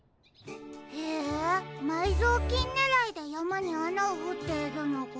へえまいぞうきんねらいでやまにあなをほっているのか。